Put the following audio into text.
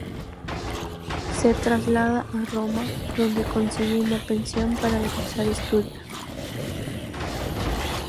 Se traslada a Roma, donde consigue una pensión para realizar estudios.